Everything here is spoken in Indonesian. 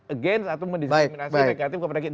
against atau mendiskriminasi negatif kepada kita